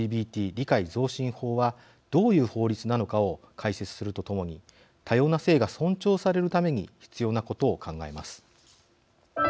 理解増進法はどういう法律なのかを解説するとともに多様な性が尊重されるために必要なことを考えます。